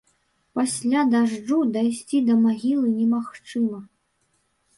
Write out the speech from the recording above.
Пасля дажджу дайсці да магілы немагчыма.